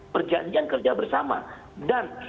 perjadian kerja bersama dan